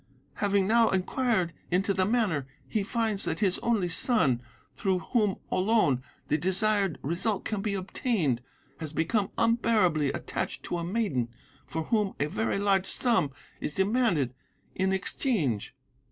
'Having now inquired into the matter, he finds that his only son, through whom alone the desired result can be obtained, has become unbearably attached to a maiden for whom a very large sum is demanded in exchange.